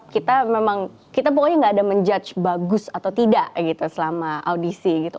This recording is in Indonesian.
kita memang kita pokoknya nggak ada menjudge bagus atau tidak gitu selama audisi gitu